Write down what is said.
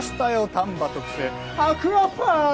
丹波特製アクアパッ。